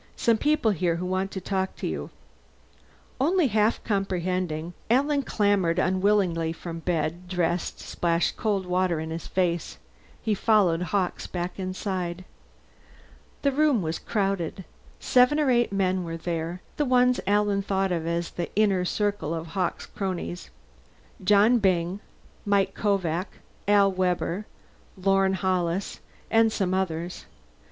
Some people here who want to talk to you." Only half comprehending, Alan clambered unwillingly from bed, dressed, and splashed cold water in his face. He followed Hawkes back inside. The living room was crowded. Seven or eight men were there the ones Alan thought of as the inner circle of Hawkes' cronies. Johnny Byng, Mike Kovak, Al Webber, Lorne Hollis, and some others.